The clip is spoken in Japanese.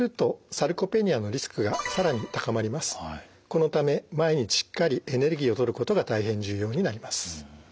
このため毎日しっかりエネルギーをとることが大変重要になります。